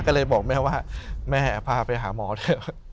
ก็เลยบอกแม่ว่าแม่พาไปหาหมอเถอะ